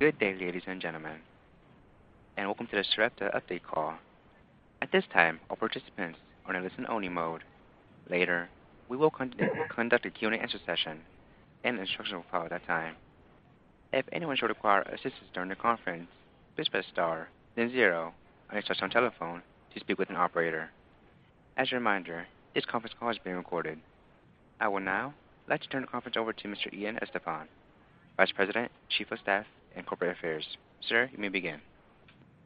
Good day, ladies and gentlemen, welcome to the Sarepta update call. At this time, all participants are in a listen-only mode. Later, we will conduct a Q&A session, instructions will follow at that time. If anyone should require assistance during the conference, please press star then zero on your touch-tone telephone to speak with an operator. As a reminder, this conference call is being recorded. I will now like to turn the conference over to Mr. Ian Estepan, Vice President, Chief of Staff and Corporate Affairs. Sir, you may begin.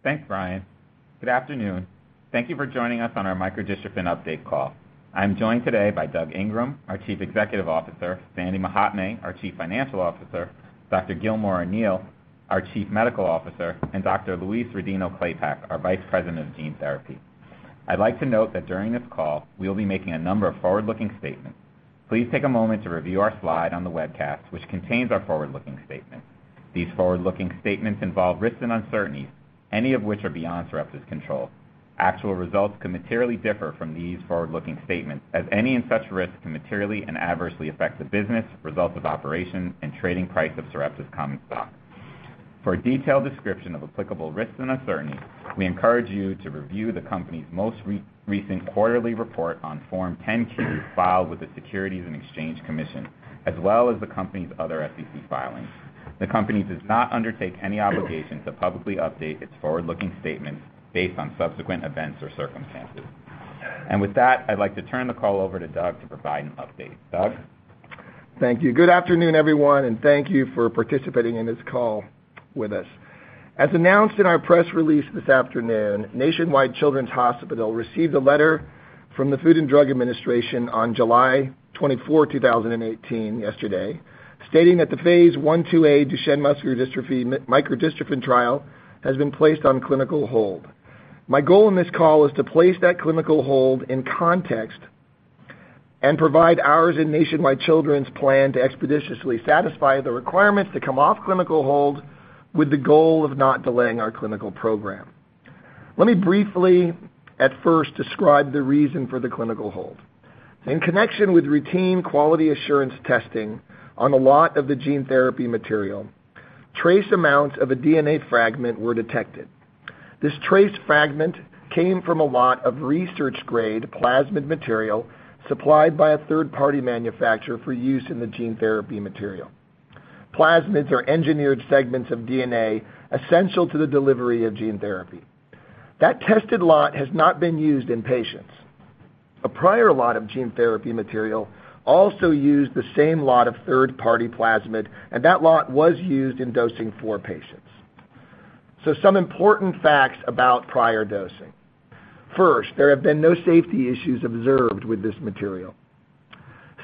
Thanks, Brian. Good afternoon. Thank you for joining us on our micro-dystrophin update call. I'm joined today by Doug Ingram, our Chief Executive Officer, Ryan H. Wong, our Chief Financial Officer, Dr. Gilmore O'Neill, our Chief Medical Officer, and Dr. Louise Rodino-Klapac, our Vice President of Gene Therapy. I'd like to note that during this call, we'll be making a number of forward-looking statements. Please take a moment to review our slide on the webcast, which contains our forward-looking statements. These forward-looking statements involve risks and uncertainties, any of which are beyond Sarepta's control. Actual results can materially differ from these forward-looking statements, as any and such risks can materially and adversely affect the business, results of operations, and trading price of Sarepta's common stock. For a detailed description of applicable risks and uncertainties, we encourage you to review the company's most recent quarterly report on Form 10-Q filed with the Securities and Exchange Commission, as well as the company's other SEC filings. The company does not undertake any obligation to publicly update its forward-looking statements based on subsequent events or circumstances. With that, I'd like to turn the call over to Doug to provide an update. Doug? Thank you. Good afternoon, everyone, thank you for participating in this call with us. As announced in our press release this afternoon, Nationwide Children's Hospital received a letter from the Food and Drug Administration on July 24, 2018, yesterday, stating that the phase I/IIa Duchenne muscular dystrophy micro-dystrophin trial has been placed on clinical hold. My goal in this call is to place that clinical hold in context and provide ours and Nationwide Children's plan to expeditiously satisfy the requirements to come off clinical hold with the goal of not delaying our clinical program. Let me briefly at first describe the reason for the clinical hold. In connection with routine quality assurance testing on a lot of the gene therapy material, trace amounts of a DNA fragment were detected. This trace fragment came from a lot of research-grade plasmid material supplied by a third-party manufacturer for use in the gene therapy material. Plasmids are engineered segments of DNA essential to the delivery of gene therapy. That tested lot has not been used in patients. A prior lot of gene therapy material also used the same lot of third-party plasmid, and that lot was used in dosing four patients. Some important facts about prior dosing. First, there have been no safety issues observed with this material.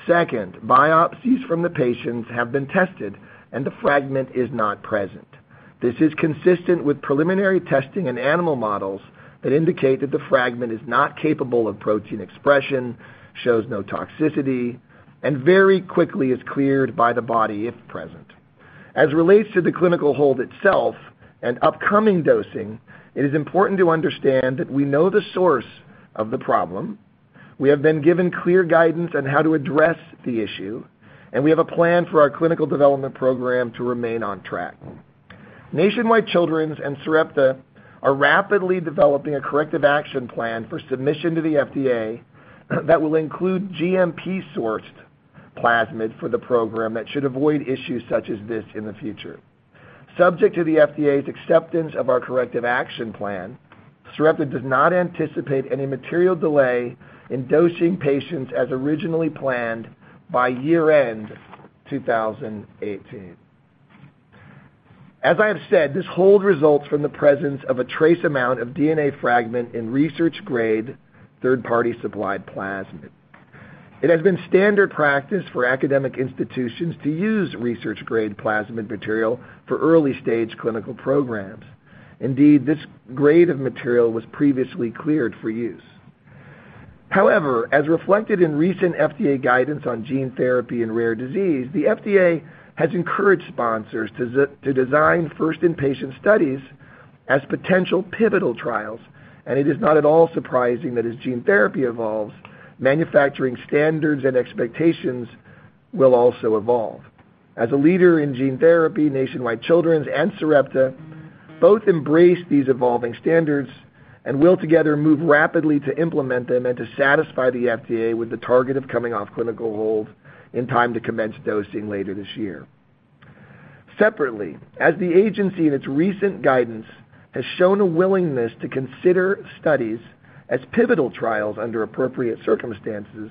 Second, biopsies from the patients have been tested, and the fragment is not present. This is consistent with preliminary testing in animal models that indicate that the fragment is not capable of protein expression, shows no toxicity, and very quickly is cleared by the body if present. As it relates to the clinical hold itself and upcoming dosing, it is important to understand that we know the source of the problem, we have been given clear guidance on how to address the issue, and we have a plan for our clinical development program to remain on track. Nationwide Children's and Sarepta are rapidly developing a corrective action plan for submission to the FDA that will include GMP-sourced plasmid for the program that should avoid issues such as this in the future. Subject to the FDA's acceptance of our corrective action plan, Sarepta does not anticipate any material delay in dosing patients as originally planned by year-end 2018. As I have said, this hold results from the presence of a trace amount of DNA fragment in research-grade third-party supplied plasmid. It has been standard practice for academic institutions to use research-grade plasmid material for early-stage clinical programs. Indeed, this grade of material was previously cleared for use. However, as reflected in recent FDA guidance on gene therapy and rare disease, the FDA has encouraged sponsors to design first in-patient studies as potential pivotal trials, and it is not at all surprising that as gene therapy evolves, manufacturing standards and expectations will also evolve. As a leader in gene therapy, Nationwide Children's and Sarepta both embrace these evolving standards and will together move rapidly to implement them and to satisfy the FDA with the target of coming off clinical hold in time to commence dosing later this year. Separately, as the agency in its recent guidance has shown a willingness to consider studies as pivotal trials under appropriate circumstances,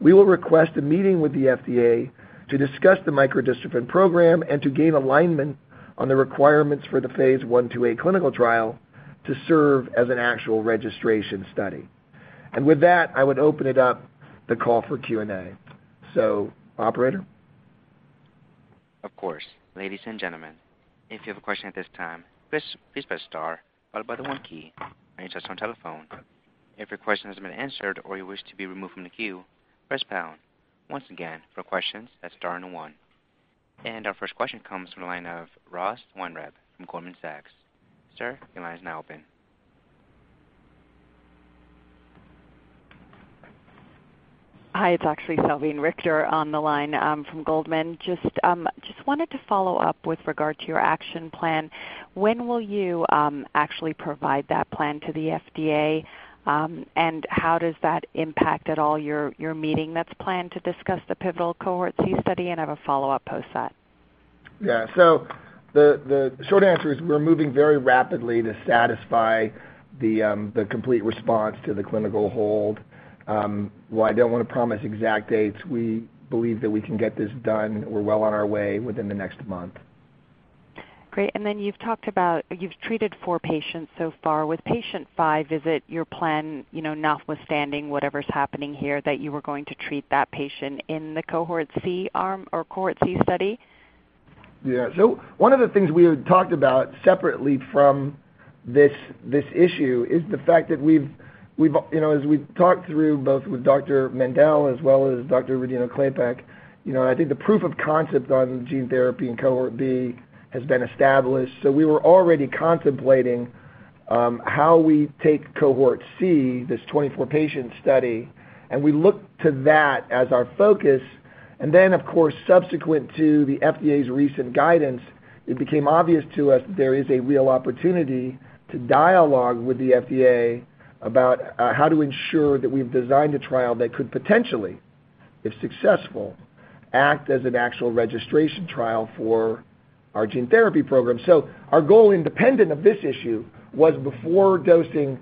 we will request a meeting with the FDA to discuss the micro-dystrophin program and to gain alignment on the requirements for the Phase I/IIb clinical trial to serve as an actual registration study. With that, I would open it up the call for Q&A. Operator? Of course. Ladies and gentlemen, if you have a question at this time, please press star followed by the one key on your touch-tone telephone. If your question has been answered or you wish to be removed from the queue, press pound. Once again, for questions, that's star and one. Our first question comes from the line of Ross Weinreb from Goldman Sachs. Sir, your line is now open Hi, it's actually Salveen Richter on the line from Goldman. Just wanted to follow up with regard to your action plan. When will you actually provide that plan to the FDA? How does that impact at all your meeting that's planned to discuss the pivotal Cohort C study? I have a follow-up post that. Yeah. The short answer is we're moving very rapidly to satisfy the complete response to the clinical hold. While I don't want to promise exact dates, we believe that we can get this done. We're well on our way within the next month. Great. Then you've talked about, you've treated four patients so far. With patient five, is it your plan, notwithstanding whatever's happening here, that you were going to treat that patient in the Cohort C arm or Cohort C study? Yeah. One of the things we had talked about separately from this issue is the fact that as we've talked through, both with Jerry Mendell as well as Dr. Rodino-Klapac, I think the proof of concept on gene therapy in Cohort B has been established. We were already contemplating how we take Cohort C, this 24-patient study, and we look to that as our focus. Of course, subsequent to the FDA's recent guidance, it became obvious to us that there is a real opportunity to dialogue with the FDA about how to ensure that we've designed a trial that could potentially, if successful, act as an actual registration trial for our gene therapy program. Our goal, independent of this issue, was before dosing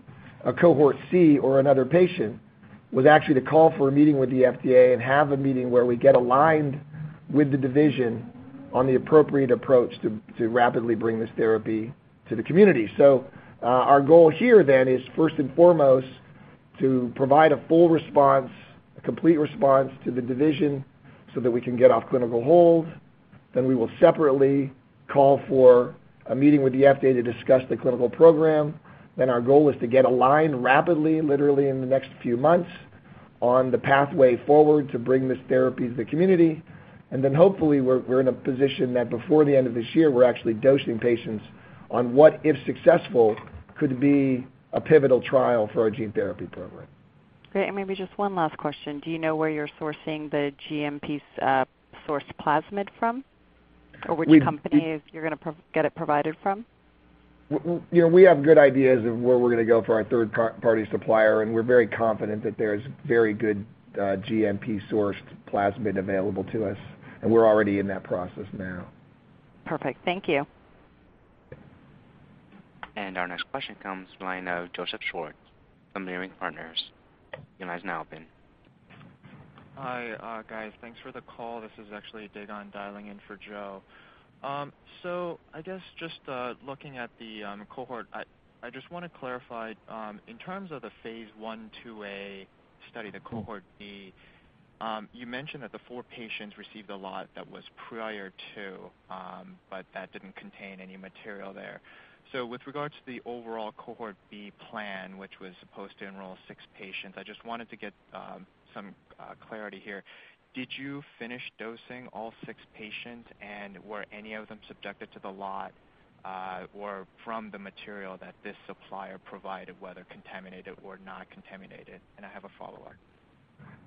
a Cohort C or another patient, was actually to call for a meeting with the FDA and have a meeting where we get aligned with the division on the appropriate approach to rapidly bring this therapy to the community. Our goal here then is first and foremost, to provide a full response, a complete response to the division so that we can get off clinical hold. We will separately call for a meeting with the FDA to discuss the clinical program. Our goal is to get aligned rapidly, literally in the next few months, on the pathway forward to bring this therapy to the community. Hopefully, we're in a position that before the end of this year, we're actually dosing patients on what, if successful, could be a pivotal trial for our gene therapy program. Great, maybe just one last question. Do you know where you're sourcing the GMP-sourced plasmid from? Or which company you're going to get it provided from? We have good ideas of where we're going to go for our third-party supplier, we're very confident that there's very good GMP-sourced plasmid available to us, we're already in that process now. Perfect. Thank you. Our next question comes to the line of Joseph Schwartz from Leerink Partners. Your line's now open. Hi, guys. Thanks for the call. This is actually [Degan] dialing in for Joe. I guess just looking at the cohort, I just want to clarify, in terms of the phase I/IIa study, the Cohort B, you mentioned that the four patients received a lot that was prior to, but that didn't contain any material there. With regards to the overall Cohort B plan, which was supposed to enroll six patients, I just wanted to get some clarity here. Did you finish dosing all six patients? Were any of them subjected to the lot or from the material that this supplier provided, whether contaminated or not contaminated? I have a follow-up.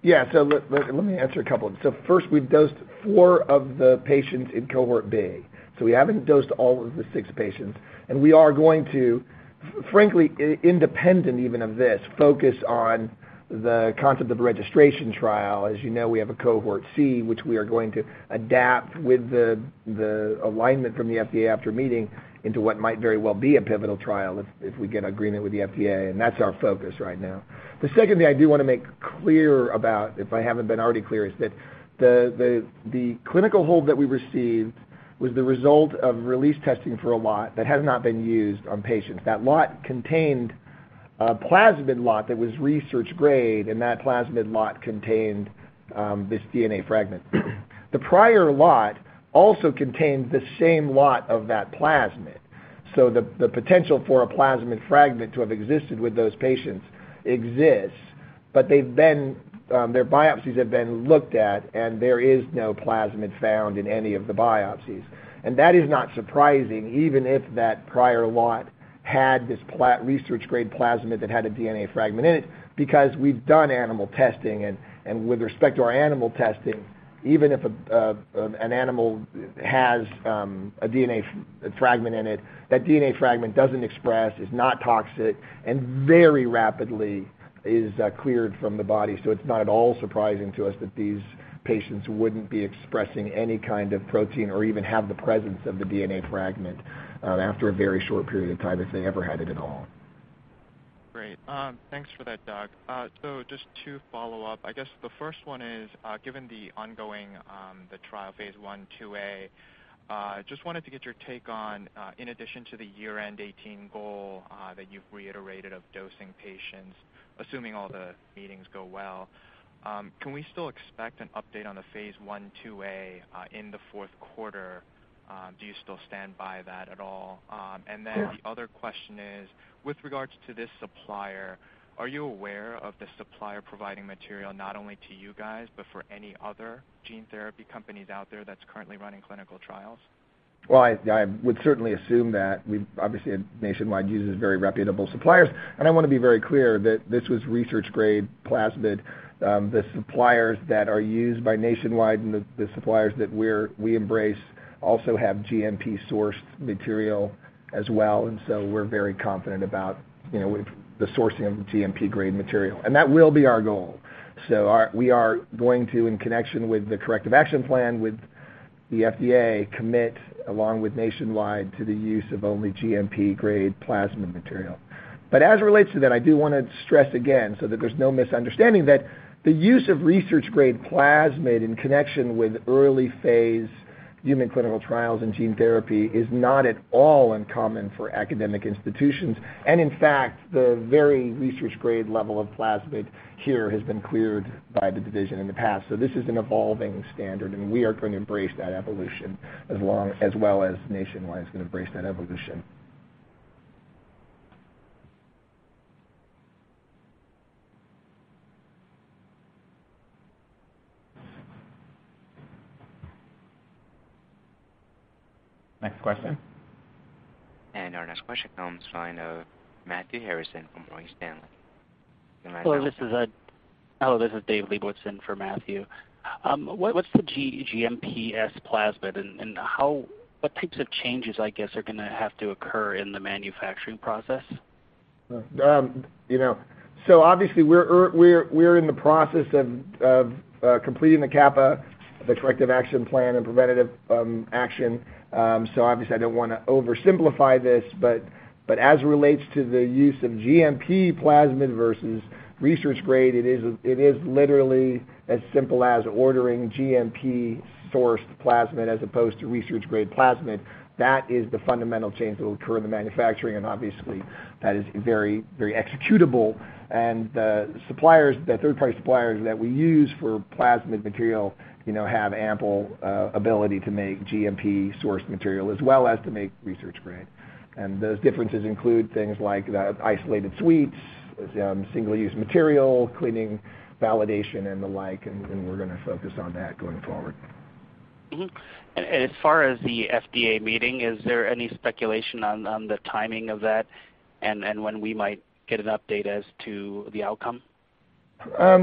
Yeah. Let me answer a couple. First, we've dosed four of the patients in Cohort B. We haven't dosed all of the six patients, and we are going to, frankly, independent even of this, focus on the concept of a registration trial. As you know, we have a Cohort C, which we are going to adapt with the alignment from the FDA after meeting into what might very well be a pivotal trial if we get agreement with the FDA, and that's our focus right now. The second thing I do want to make clear about, if I haven't been already clear, is that the clinical hold that we received was the result of release testing for a lot that has not been used on patients. That lot contained a plasmid lot that was research grade, and that plasmid lot contained this DNA fragment. The prior lot also contained the same lot of that plasmid. The potential for a plasmid fragment to have existed with those patients exists, but their biopsies have been looked at, and there is no plasmid found in any of the biopsies. That is not surprising, even if that prior lot had this research-grade plasmid that had a DNA fragment in it, because we've done animal testing. With respect to our animal testing, even if an animal has a DNA fragment in it, that DNA fragment doesn't express, is not toxic, and very rapidly is cleared from the body. It's not at all surprising to us that these patients wouldn't be expressing any kind of protein or even have the presence of the DNA fragment after a very short period of time, if they ever had it at all. Great. Thanks for that, Doug. Just to follow up, I guess the first one is, given the ongoing trial phase I/IIa, just wanted to get your take on, in addition to the year-end 2018 goal that you've reiterated of dosing patients, assuming all the meetings go well, can we still expect an update on the phase I/IIa in the fourth quarter? Do you still stand by that at all? Yeah. The other question is, with regards to this supplier, are you aware of the supplier providing material not only to you guys, but for any other gene therapy companies out there that's currently running clinical trials? Well, I would certainly assume that. Obviously, Nationwide uses very reputable suppliers, and I want to be very clear that this was research-grade plasmid. The suppliers that are used by Nationwide and the suppliers that we embrace also have GMP-sourced material as well, we're very confident about the sourcing of GMP-grade material. That will be our goal. We are going to, in connection with the corrective action plan with the FDA, commit along with Nationwide to the use of only GMP-grade plasmid material. As it relates to that, I do want to stress again, so that there's no misunderstanding, that the use of research-grade plasmid in connection with early-phase human clinical trials in gene therapy is not at all uncommon for academic institutions. In fact, the very research-grade level of plasmid here has been cleared by the division in the past. This is an evolving standard, and we are going to embrace that evolution as well as Nationwide is going to embrace that evolution. Next question. Our next question comes from the line of Matthew Harrison from Morgan Stanley. Your line is now open. Hello, this is David Lebowitz in for Matthew. What's the GMPs plasmid, and what types of changes, I guess, are going to have to occur in the manufacturing process? Obviously we're in the process of completing the CAPA, the corrective action plan and preventative action. Obviously I don't want to oversimplify this, but as it relates to the use of GMP plasmid versus research-grade, it is literally as simple as ordering GMP-sourced plasmid as opposed to research-grade plasmid. That is the fundamental change that will occur in the manufacturing, and obviously that is very executable. The third-party suppliers that we use for plasmid material have ample ability to make GMP-sourced material as well as to make research-grade. Those differences include things like isolated suites, single-use material, cleaning, validation, and the like, and we're going to focus on that going forward. As far as the FDA meeting, is there any speculation on the timing of that and when we might get an update as to the outcome? I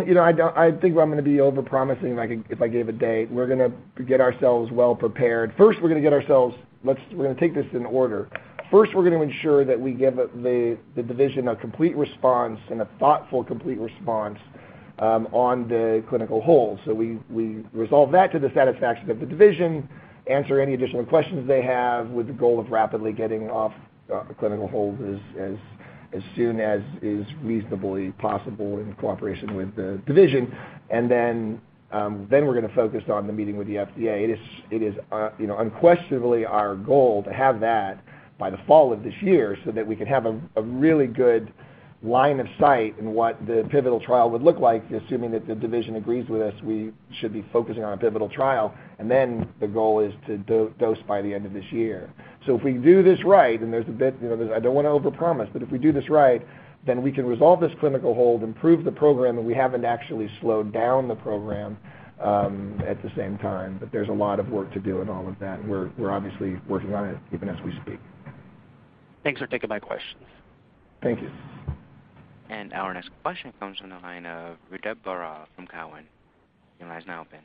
think I'm going to be over-promising if I give a date. We're going to get ourselves well-prepared. First, we're going to take this in order. First, we're going to ensure that we give the division a complete response and a thoughtful, complete response on the clinical hold. We resolve that to the satisfaction of the division, answer any additional questions they have with the goal of rapidly getting off the clinical hold as soon as is reasonably possible in cooperation with the division. Then we're going to focus on the meeting with the FDA. It is unquestionably our goal to have that by the fall of this year so that we can have a really good line of sight in what the pivotal trial would look like. Assuming that the division agrees with us, we should be focusing on a pivotal trial, and then the goal is to dose by the end of this year. If we do this right, and I don't want to overpromise, but if we do this right, then we can resolve this clinical hold, improve the program, and we haven't actually slowed down the program at the same time. There's a lot of work to do in all of that, and we're obviously working on it even as we speak. Thanks for taking my questions. Thank you. Our next question comes from the line of Ritu Baral from Cowen. Your line is now open.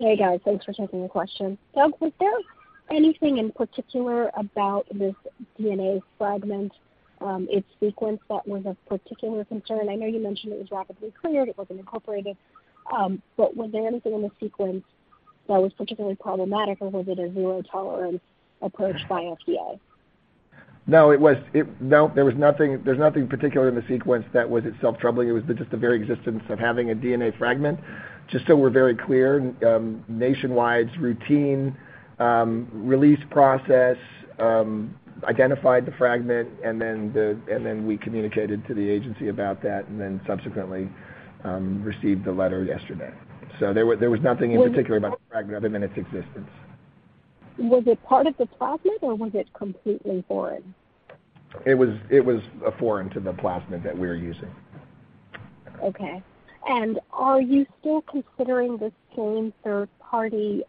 Hey, guys. Thanks for taking the question. Doug, was there anything in particular about this DNA fragment, its sequence that was of particular concern? I know you mentioned it was rapidly cleared, it wasn't incorporated. Was there anything in the sequence that was particularly problematic, or was it a zero-tolerance approach by FDA? No, there's nothing particular in the sequence that was itself troubling. It was just the very existence of having a DNA fragment. Just so we're very clear, Nationwide's routine release process identified the fragment, and then we communicated to the agency about that, and then subsequently received the letter yesterday. There was nothing in particular about the fragment other than its existence. Was it part of the plasmid, or was it completely foreign? It was foreign to the plasmid that we were using. Okay. Are you still considering the same third-party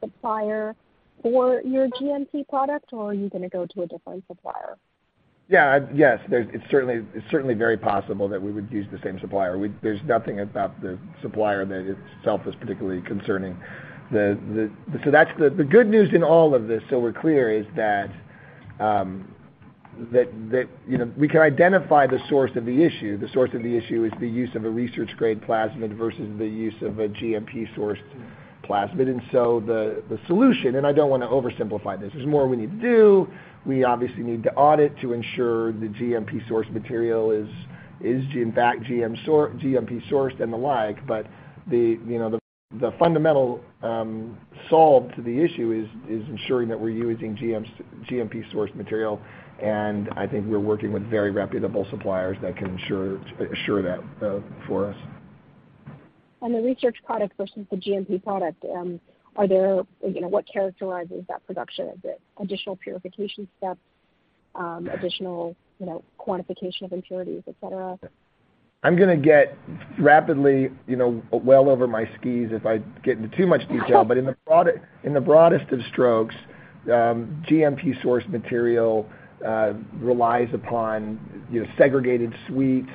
supplier for your GMP product, or are you going to go to a different supplier? Yes. It's certainly very possible that we would use the same supplier. There's nothing about the supplier that itself is particularly concerning. The good news in all of this, so we're clear, is that we can identify the source of the issue. The source of the issue is the use of a research-grade plasmid versus the use of a GMP-sourced plasmid. The solution, and I don't want to oversimplify this. There's more we need to do. We obviously need to audit to ensure the GMP-sourced material is in fact GMP-sourced and the like. The fundamental solve to the issue is ensuring that we're using GMP-sourced material, and I think we're working with very reputable suppliers that can assure that for us. On the research product versus the GMP product, what characterizes that production? Is it additional purification steps, additional quantification of impurities, et cetera? I'm going to get rapidly well over my skis if I get into too much detail. In the broadest of strokes, GMP source material relies upon segregated suites,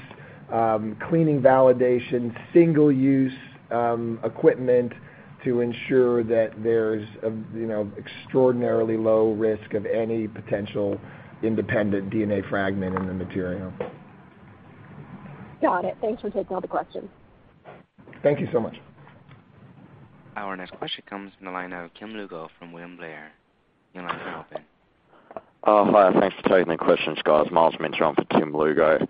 cleaning validation, single-use equipment to ensure that there's extraordinarily low risk of any potential independent DNA fragment in the material. Got it. Thanks for taking all the questions. Thank you so much. Our next question comes from the line of Tim Lugo from William Blair. Your line is now open. Hi, thanks for taking the questions, guys. Myles Minter for Tim Lugo.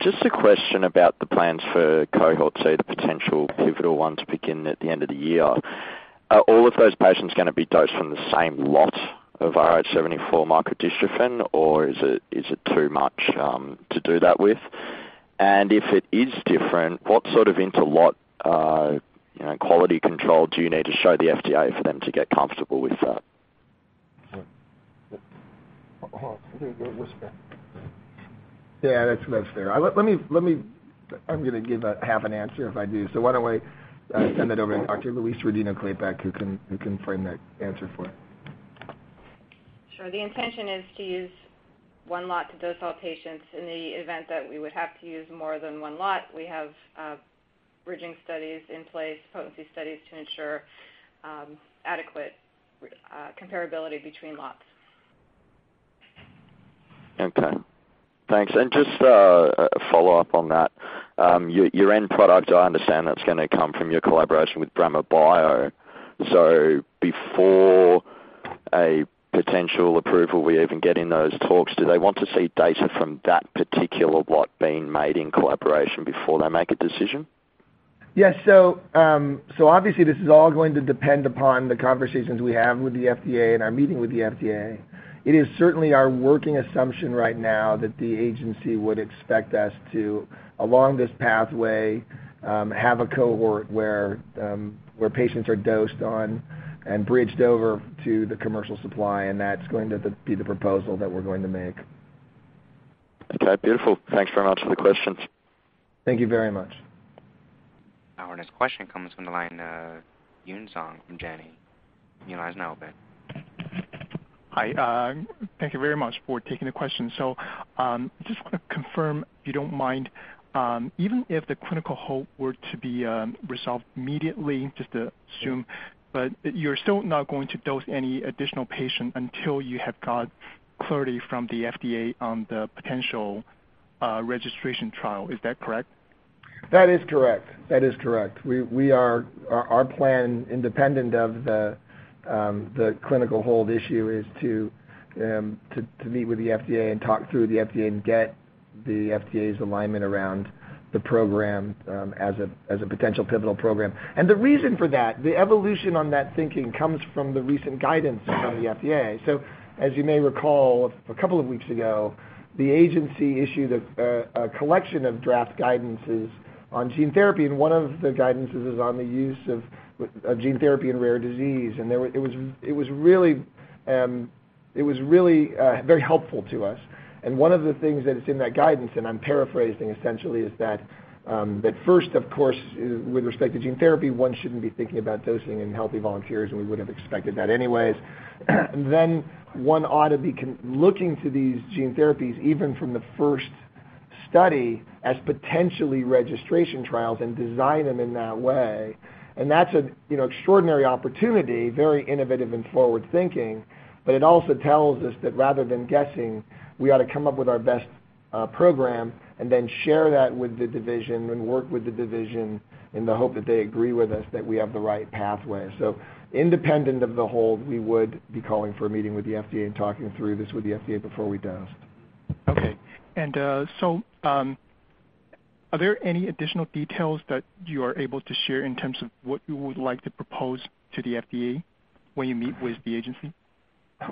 Just a question about the plans for Cohort C, the potential pivotal one to begin at the end of the year. Are all of those patients going to be dosed from the same lot of AAVrh74 micro-dystrophin, or is it too much to do that with? If it is different, what sort of inter-lot quality control do you need to show the FDA for them to get comfortable with that? Hold on. Let me go to Louise. Yeah, that's fair. I'm going to give a half an answer if I do, so why don't I send that over to Dr. Louise Rodino-Klapac, who can frame that answer for you. Sure. The intention is to use one lot to dose all patients. In the event that we would have to use more than one lot, we have bridging studies in place, potency studies, to ensure adequate comparability between lots. Okay. Thanks. Just a follow-up on that. Your end product, I understand that's going to come from your collaboration with Brammer Bio. Before a potential approval, we even get in those talks, do they want to see data from that particular lot being made in collaboration before they make a decision? Yes. Obviously, this is all going to depend upon the conversations we have with the FDA and our meeting with the FDA. It is certainly our working assumption right now that the agency would expect us to, along this pathway, have a cohort where patients are dosed on and bridged over to the commercial supply, and that's going to be the proposal that we're going to make. Okay, beautiful. Thanks very much for the question. Thank you very much. Our next question comes from the line of Yun Zhong from Janney. Your line is now open. Hi. Thank you very much for taking the question. Just want to confirm, if you don't mind. Even if the clinical hold were to be resolved immediately, just to assume, but you're still not going to dose any additional patient until you have got clarity from the FDA on the potential registration trial. Is that correct? That is correct. Our plan, independent of the clinical hold issue, is to meet with the FDA and talk through the FDA and get the FDA's alignment around the program as a potential pivotal program. The reason for that, the evolution on that thinking comes from the recent guidance from the FDA. As you may recall, a couple of weeks ago, the agency issued a collection of draft guidances on gene therapy, and one of the guidances is on the use of gene therapy in rare disease. It was really very helpful to us. One of the things that is in that guidance, and I'm paraphrasing essentially, is that at first, of course, with respect to gene therapy, one shouldn't be thinking about dosing in healthy volunteers, and we would have expected that anyways. One ought to be looking to these gene therapies, even from the first study, as potentially registration trials and design them in that way. That's an extraordinary opportunity, very innovative and forward-thinking, but it also tells us that rather than guessing, we ought to come up with our best program and then share that with the division and work with the division in the hope that they agree with us that we have the right pathway. Independent of the hold, we would be calling for a meeting with the FDA and talking through this with the FDA before we dosed. Okay. Are there any additional details that you are able to share in terms of what you would like to propose to the FDA when you meet with the agency?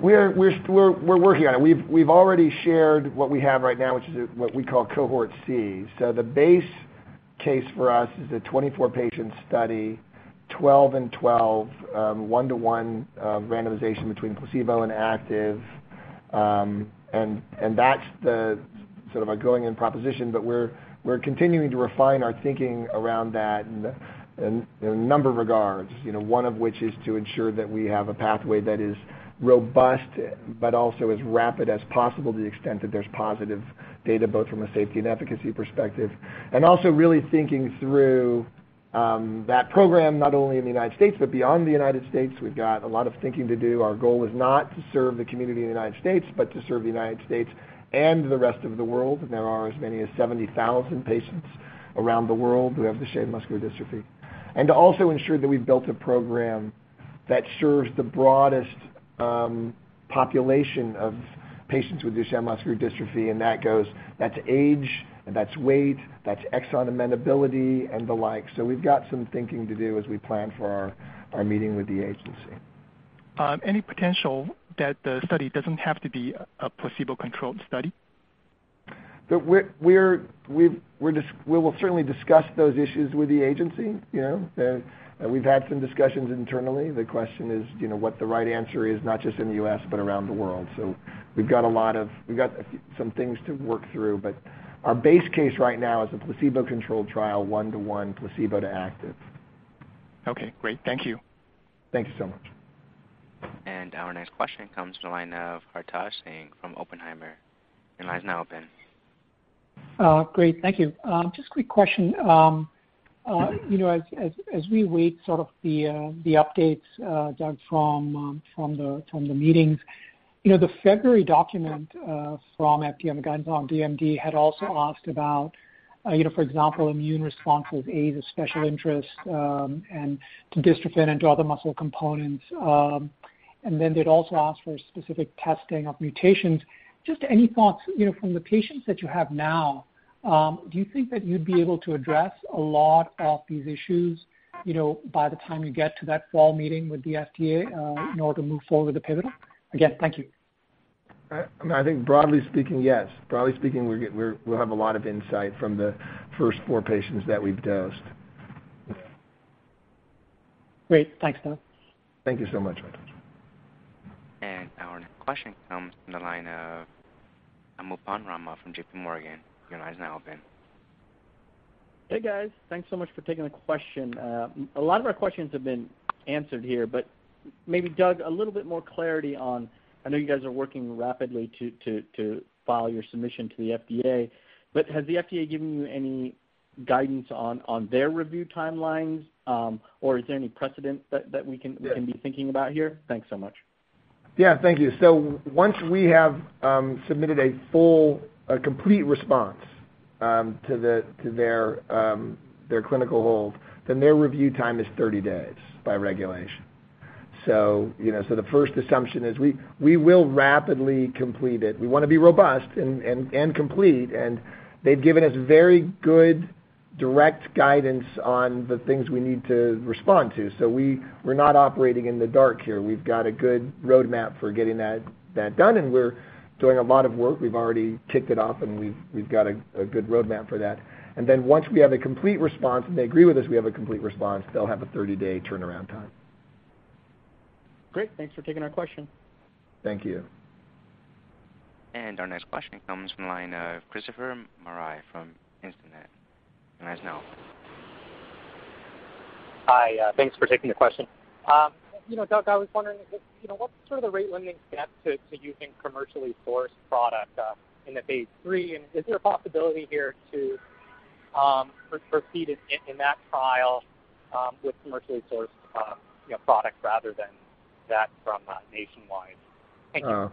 We're working on it. We've already shared what we have right now, which is what we call Cohort C. The base case for us is a 24-patient study, 12 and 12, one-to-one randomization between placebo and active. That's the sort of a going-in proposition. We're continuing to refine our thinking around that in a number of regards, one of which is to ensure that we have a pathway that is robust but also as rapid as possible to the extent that there's positive data both from a safety and efficacy perspective. Also really thinking through that program, not only in the United States but beyond the United States. We've got a lot of thinking to do. Our goal is not to serve the community in the United States, but to serve the United States and the rest of the world. There are as many as 70,000 patients around the world who have Duchenne muscular dystrophy. To also ensure that we've built a program that serves the broadest population of patients with Duchenne muscular dystrophy, and that's age, that's weight, that's exon amendability, and the like. We've got some thinking to do as we plan for our meeting with the agency. Any potential that the study doesn't have to be a placebo-controlled study? We will certainly discuss those issues with the agency. We've had some discussions internally. The question is what the right answer is, not just in the U.S. but around the world. We've got some things to work through. Our base case right now is a placebo-controlled trial, one-to-one placebo to active. Okay, great. Thank you. Thank you so much. Our next question comes from the line of Hartaj Singh from Oppenheimer. Your line is now open. Great. Thank you. Just a quick question. As we await sort of the updates, Doug, from the meetings. The February document from FDA guidance on DMD had also asked about, for example, immune response with AAV, a special interest, and to dystrophin and to other muscle components. Then they'd also asked for specific testing of mutations. Just any thoughts. From the patients that you have now, do you think that you'd be able to address a lot of these issues by the time you get to that fall meeting with the FDA in order to move forward with the pivotal? Again, thank you. I think broadly speaking, yes. Broadly speaking, we'll have a lot of insight from the first four patients that we've dosed. Great. Thanks, Doug. Thank you so much, Hartaj. Our next question comes from the line of Anupam Rama from JPMorgan. Your line is now open. Hey, guys. Thanks so much for taking the question. A lot of our questions have been answered here, but maybe, Doug, a little bit more clarity on, I know you guys are working rapidly to file your submission to the FDA. Has the FDA given you any guidance on their review timelines? Is there any precedent that we can be thinking about here? Thanks so much. Yeah. Thank you. Once we have submitted a complete response to their clinical hold, their review time is 30 days by regulation. The first assumption is we will rapidly complete it. We want to be robust and complete, and they've given us very good, direct guidance on the things we need to respond to. We're not operating in the dark here. We've got a good roadmap for getting that done, and we're doing a lot of work. We've already kicked it off, and we've got a good roadmap for that. Then once we have a complete response, and they agree with us we have a complete response, they'll have a 30-day turnaround time. Great. Thanks for taking our question. Thank you. Our next question comes from the line of Salveen Richter from Instinet. Your line is now open. Hi. Thanks for taking the question. Doug, I was wondering, what's sort of the rate limiting step to using commercially sourced product in the phase III, is there a possibility here to proceed in that trial with commercially sourced products rather than that from Nationwide? Thank you.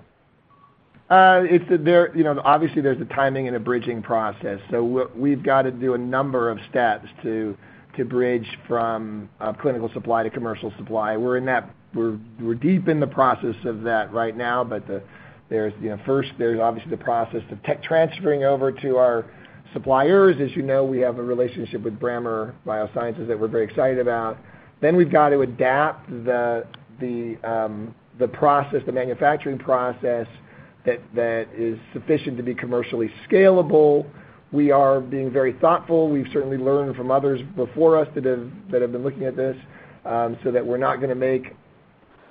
Obviously, there's a timing and a bridging process. We've got to do a number of steps to bridge from a clinical supply to commercial supply. We're deep in the process of that right now, but first, there's obviously the process of tech transferring over to our suppliers. As you know, we have a relationship with Brammer Bio that we're very excited about. Then we've got to adapt the manufacturing process that is sufficient to be commercially scalable. We are being very thoughtful. We've certainly learned from others before us that have been looking at this, we're not going to make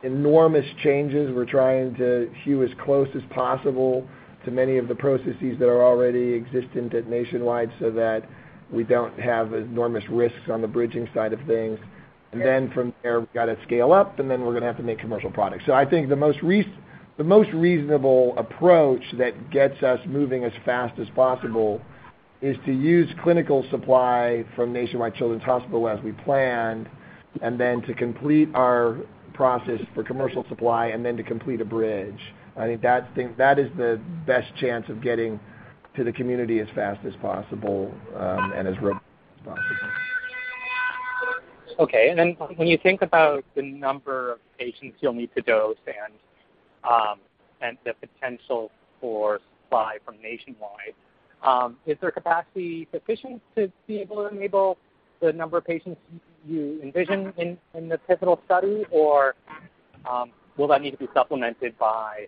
enormous changes. We're trying to hew as close as possible to many of the processes that are already existent at Nationwide so that we don't have enormous risks on the bridging side of things. From there, we've got to scale up, we're going to have to make commercial products. I think the most reasonable approach that gets us moving as fast as possible is to use clinical supply from Nationwide Children's Hospital as we planned, to complete our process for commercial supply, to complete a bridge. I think that is the best chance of getting to the community as fast as possible and as possible. Okay. When you think about the number of patients you'll need to dose and the potential for supply from Nationwide, is their capacity sufficient to be able to enable the number of patients you envision in the pivotal study, or will that need to be supplemented by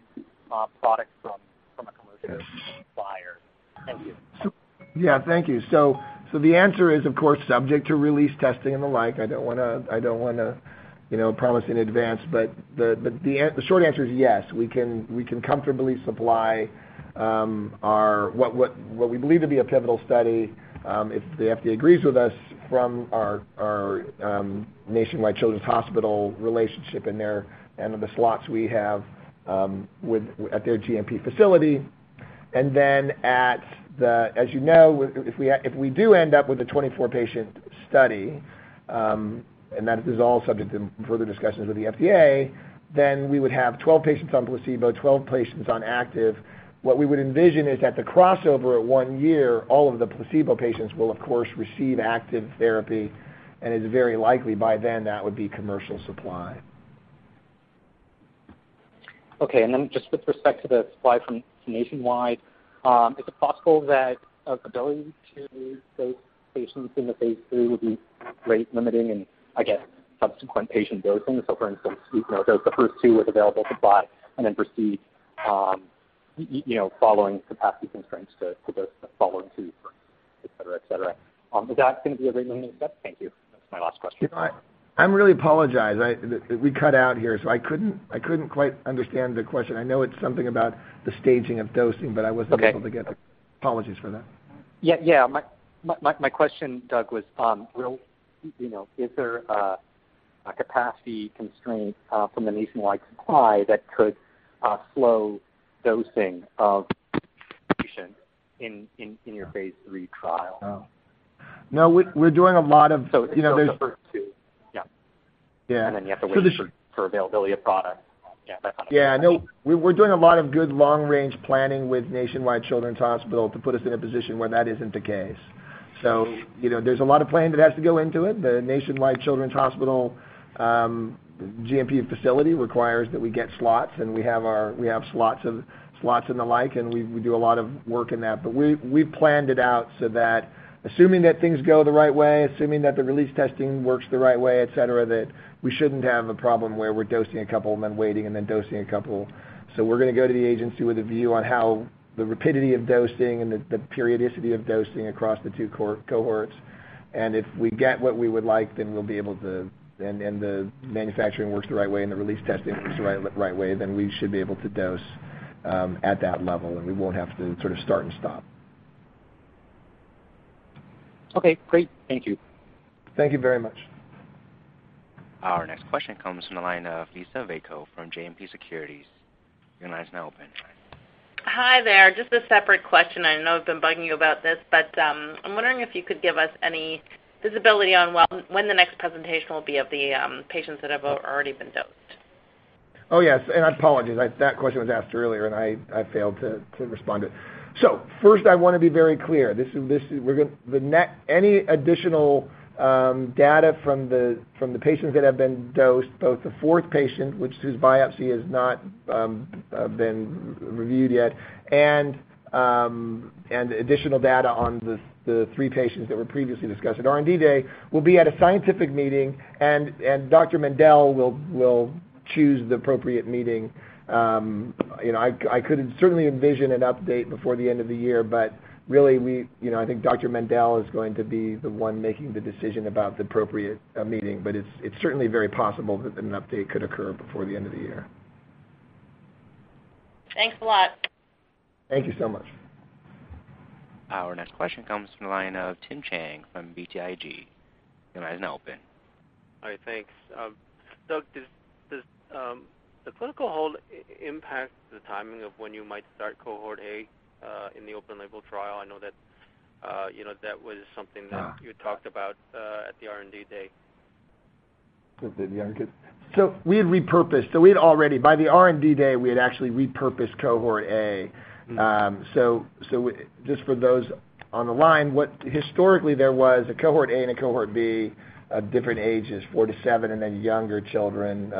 a product from a commercial supplier? Thank you. Yeah. Thank you. The answer is, of course, subject to release testing and the like. I don't want to promise in advance. The short answer is yes, we can comfortably supply what we believe to be a pivotal study, if the FDA agrees with us, from our Nationwide Children's Hospital relationship and the slots we have at their GMP facility. As you know, if we do end up with a 24-patient study, and that is all subject to further discussions with the FDA, we would have 12 patients on placebo, 12 patients on active. What we would envision is that the crossover at one year, all of the placebo patients will, of course, receive active therapy, and it's very likely by then that would be commercial supply. Okay. Then just with respect to the supply from Nationwide, is it possible that ability to dose patients in the phase III would be rate limiting and I guess subsequent patient dosing? For instance, dose the first 2 with available supply and then proceed following capacity constraints to dose the following 2, et cetera. Is that going to be a rate limiting step? Thank you. That's my last question. I really apologize. We cut out here, I couldn't quite understand the question. I know it's something about the staging of dosing, I wasn't able to get that. Apologies for that. Yeah. My question, Doug, was is there a capacity constraint from the Nationwide supply that could slow dosing of patients in your phase III trial? Oh. No, we're doing a lot of-. It's the first two. Yeah. Yeah. You have to So the sh- wait for availability of product. Yeah, that kind of thing. Yeah, no. We're doing a lot of good long-range planning with Nationwide Children's Hospital to put us in a position where that isn't the case. There's a lot of planning that has to go into it. The Nationwide Children's Hospital GMP facility requires that we get slots, and we have slots and the like, and we do a lot of work in that. We've planned it out so that assuming that things go the right way, assuming that the release testing works the right way, et cetera, that we shouldn't have a problem where we're dosing a couple and then waiting, and then dosing a couple. We're going to go to the agency with a view on how the rapidity of dosing and the periodicity of dosing across the two cohorts. If we get what we would like, and the manufacturing works the right way and the release testing works the right way, then we should be able to dose at that level, and we won't have to sort of start and stop. Okay, great. Thank you. Thank you very much. Our next question comes from the line of Jonathan Wolleben from JMP Securities. Your line is now open. Hi there. Just a separate question. I know I've been bugging you about this, but I'm wondering if you could give us any visibility on when the next presentation will be of the patients that have already been dosed. Oh, yes. I apologize. That question was asked earlier, and I failed to respond to it. First, I want to be very clear. Any additional data from the patients that have been dosed, both the fourth patient, whose biopsy has not been reviewed yet, and additional data on the three patients that were previously discussed at R&D Day, will be at a scientific meeting. Jerry Mendell will choose the appropriate meeting. I could certainly envision an update before the end of the year, but really, I think Jerry Mendell is going to be the one making the decision about the appropriate meeting. It's certainly very possible that an update could occur before the end of the year. Thanks a lot. Thank you so much. Our next question comes from the line of Tim Chiang from BTIG. Your line is now open. All right. Thanks. Doug, does the clinical hold impact the timing of when you might start Cohort A in the open label trial? I know that was something. you had talked about at the R&D Day. At the R&D Day. We had repurposed. By the R&D Day, we had actually repurposed Cohort A. Just for those on the line, historically, there was a Cohort A and a Cohort B of different ages, four to seven, then younger children,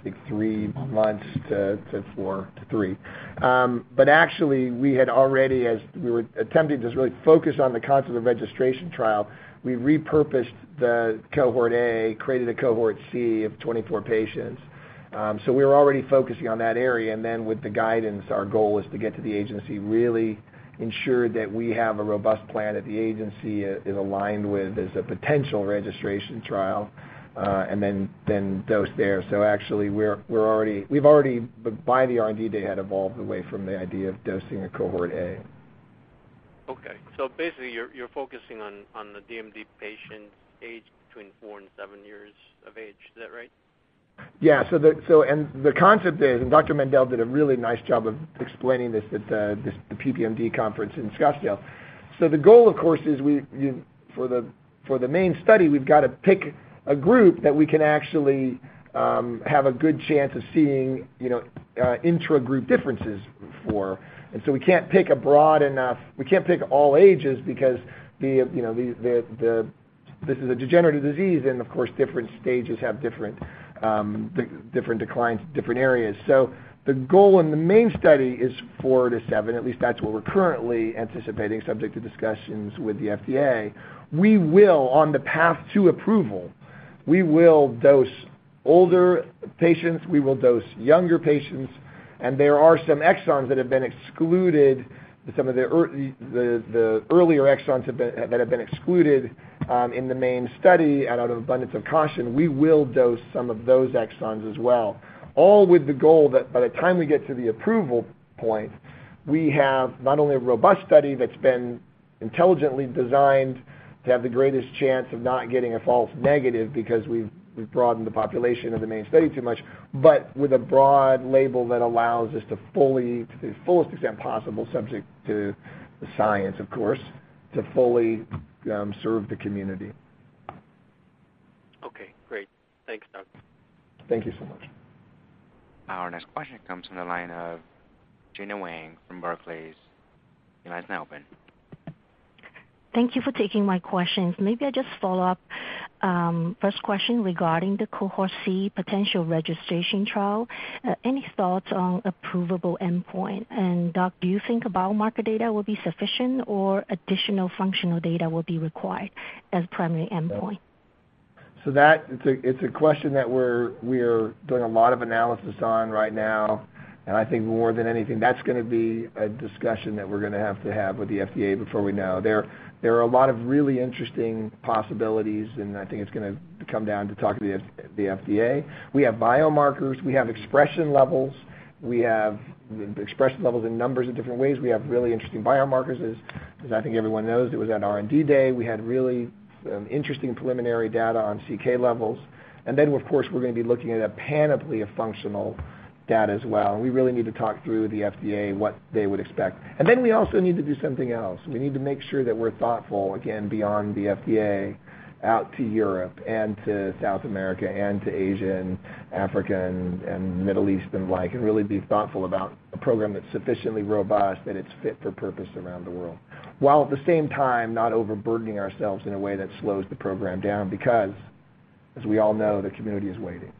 I think three months to three. Actually, we had already, as we were attempting to just really focus on the concept of registration trial, we repurposed the Cohort A, created a Cohort C of 24 patients. We were already focusing on that area. Then with the guidance, our goal is to get to the agency, really ensure that we have a robust plan that the agency is aligned with as a potential registration trial, then dose there. Actually, we've already, by the R&D Day, had evolved away from the idea of dosing a Cohort A. Okay. Basically, you're focusing on the DMD patients aged between four and seven years of age. Is that right? Yeah. The concept is, Dr. Mendell did a really nice job of explaining this at the PPMD conference in Scottsdale. The goal, of course, is for the main study, we've got to pick a group that we can actually have a good chance of seeing intragroup differences for. We can't pick all ages because this is a degenerative disease, and of course, different stages have different declines, different areas. The goal in the main study is four to seven. At least that's what we're currently anticipating, subject to discussions with the FDA. On the path to approval, we will dose older patients, we will dose younger patients, and there are some exons that have been excluded, some of the earlier exons that have been excluded in the main study. Out of abundance of caution, we will dose some of those exons as well. All with the goal that by the time we get to the approval point, we have not only a robust study that's been intelligently designed to have the greatest chance of not getting a false negative because we've broadened the population of the main study too much, but with a broad label that allows us, to the fullest extent possible, subject to the science, of course, to fully serve the community. Okay, great. Thanks, Doug. Thank you so much. Our next question comes from the line of Gena Wang from Barclays. Your line is now open. Thank you for taking my questions. Maybe I just follow up. First question regarding the Cohort C potential registration trial. Any thoughts on approvable endpoint? Doug, do you think biomarker data will be sufficient, or additional functional data will be required as primary endpoint? That, it's a question that we are doing a lot of analysis on right now. I think more than anything, that's gonna be a discussion that we're gonna have to have with the FDA before we know. There are a lot of really interesting possibilities, and I think it's going to come down to talking to the FDA. We have biomarkers. We have expression levels in numbers of different ways. We have really interesting biomarkers, as I think everyone knows. It was at R&D Day, we had really interesting preliminary data on CK levels. Of course, we're going to be looking at a panoply of functional data as well. We really need to talk through the FDA, what they would expect. We also need to do something else. We need to make sure that we're thoughtful, again, beyond the FDA, out to Europe, and to South America, and to Asia, and Africa, and Middle East, and the like, and really be thoughtful about a program that's sufficiently robust that it's fit for purpose around the world. While at the same time, not overburdening ourselves in a way that slows the program down because, as we all know, the community is waiting.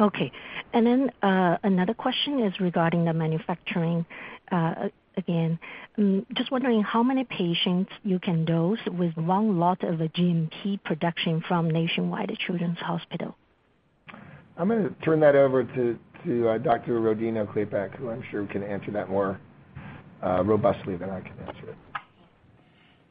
Okay. Another question is regarding the manufacturing. Again, just wondering how many patients you can dose with one lot of a GMP production from Nationwide Children's Hospital. I'm going to turn that over to Dr. Rodino-Klapac, who I'm sure can answer that more robustly than I can answer it.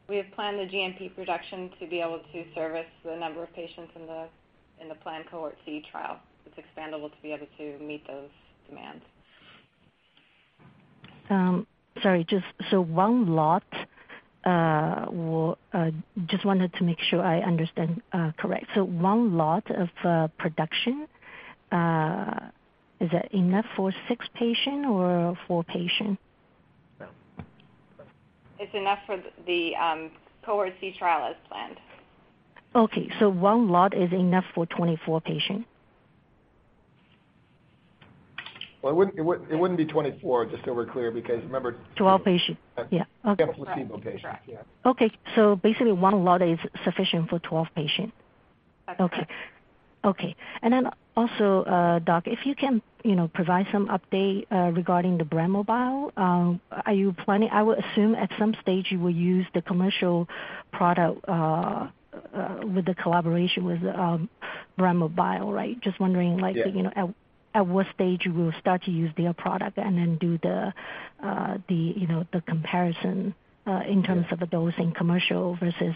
We have planned the GMP production to be able to service the number of patients in the planned Cohort C trial. It's expandable to be able to meet those demands. Just wanted to make sure I understand correct. One lot of production, is that enough for six patients or four patients? It's enough for the Cohort C trial as planned. Okay, one lot is enough for 24 patients. Well, it wouldn't be 24, just so we're clear, because remember. 12 patients. Yeah. Okay. Placebo patients, yeah. Okay, basically one lot is sufficient for 12 patients. That's correct. Okay. Doc, if you can provide some update regarding the Brammer Bio. Are you planning, I would assume at some stage you will use the commercial product with the collaboration with Brammer Bio, right? Just wondering. Yeah at what stage you will start to use their product and then do the comparison in terms of the dosing commercial versus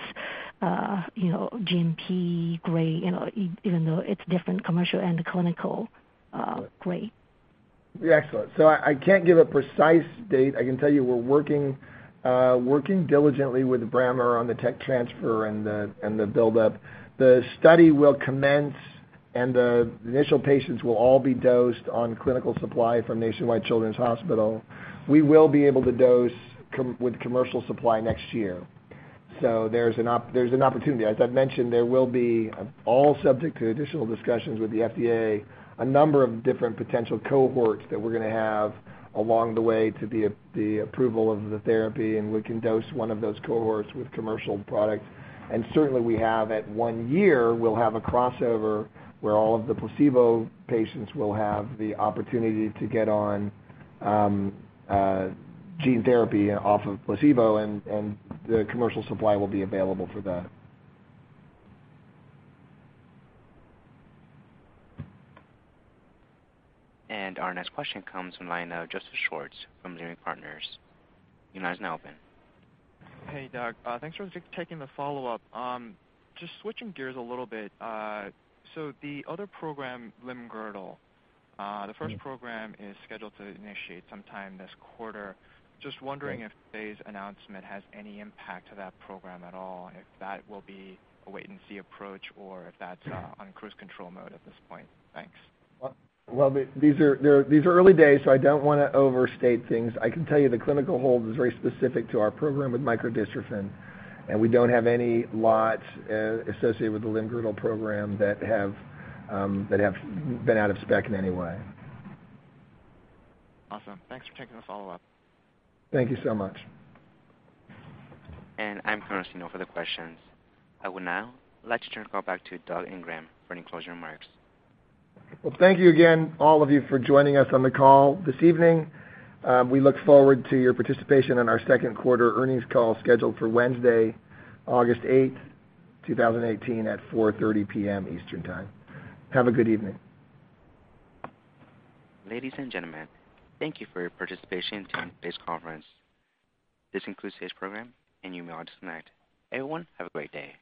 GMP grade, even though it's different commercial and clinical grade. Excellent. I can't give a precise date. I can tell you we're working diligently with Brammer on the tech transfer and the build-up. The study will commence, and the initial patients will all be dosed on clinical supply from Nationwide Children's Hospital. We will be able to dose with commercial supply next year. There's an opportunity. As I've mentioned, there will be, all subject to additional discussions with the FDA, a number of different potential cohorts that we're going to have along the way to the approval of the therapy, and we can dose one of those cohorts with commercial products. Certainly, we have at one year, we'll have a crossover where all of the placebo patients will have the opportunity to get on gene therapy and off of placebo, and the commercial supply will be available for that. Our next question comes from the line of Joseph Schwartz from Leerink Partners. Your line is now open. Hey, Doc. Thanks for taking the follow-up. Just switching gears a little bit. The other program, limb-girdle. The first program is scheduled to initiate sometime this quarter. Just wondering if today's announcement has any impact to that program at all, and if that will be a wait-and-see approach or if that's on cruise control mode at this point. Thanks. These are early days. I don't want to overstate things. I can tell you the clinical hold is very specific to our program with micro-dystrophin, and we don't have any lots associated with the limb-girdle program that have been out of spec in any way. Awesome. Thanks for taking the follow-up. Thank you so much. I am closing now for the questions. I will now like to turn the call back to Doug Ingram for any closing remarks. Well, thank you again, all of you, for joining us on the call this evening. We look forward to your participation in our second quarter earnings call scheduled for Wednesday, August 8, 2018, at 4:30 P.M. Eastern Time. Have a good evening. Ladies and gentlemen, thank you for your participation in today's conference. This concludes today's program, you may all disconnect. Everyone, have a great day.